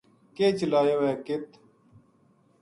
کے چلایو ہے کِ